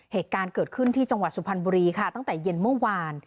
เหตุการณ์เกิดขึ้นที่จังหวัดสุพรรณบุรีค่ะตั้งแต่เย็นเมื่อวาน